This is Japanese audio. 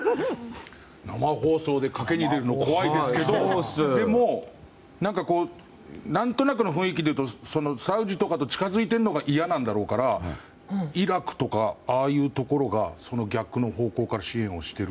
生放送で賭けに出るの怖いですけどでも、何となくの雰囲気でいうとサウジとかと近づいているのが嫌なんだろうからイラクとかああいうところが逆の方向から支援をしてる？